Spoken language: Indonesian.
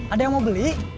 ada yang mau beli